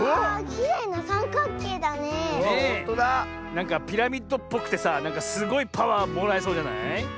なんかピラミッドっぽくてさすごいパワーもらえそうじゃない？